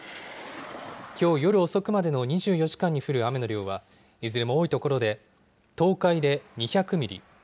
きょう夜遅くまでの２４時間に降る雨の量はいずれも多い所で東海で２００ミリ